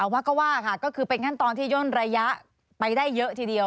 ว่าก็ว่าค่ะก็คือเป็นขั้นตอนที่ย่นระยะไปได้เยอะทีเดียว